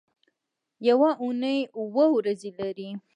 یوه اونۍ اووه ورځې لري